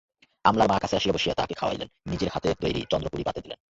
আমলার মা কাছে বসিয়া তাহাকে খাওয়াইলেন, নিজের হাতের তৈয়ারি চন্দ্রপুলি পাতে দিলেন।